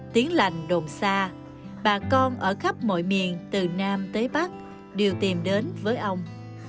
tiến lành đồn xa bà con ở khắp mọi miền từ nam tới bắc đều tìm đến với ông